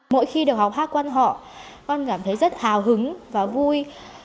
mỗi khi được học hát quan họ con cảm thấy rất hào hứng và vui